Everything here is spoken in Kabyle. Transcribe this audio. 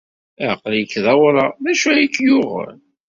Aql-ik d awraɣ. D acu ay k-yuɣen?